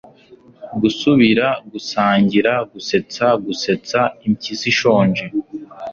gusubira gusangira gusetsa gusetsa impyisi ishonje